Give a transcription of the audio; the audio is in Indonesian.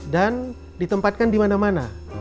dan ditempatkan di mana mana